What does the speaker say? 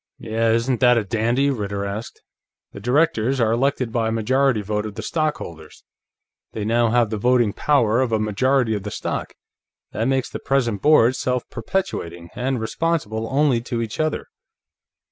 "Yeah, isn't that a dandy?" Ritter asked. "The directors are elected by majority vote of the stockholders. They now have the voting power of a majority of the stock; that makes the present board self perpetuating, and responsible only to each other."